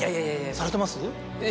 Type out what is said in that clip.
されてます？